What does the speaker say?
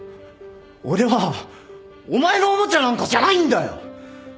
俺はお前のおもちゃなんかじゃないんだよ！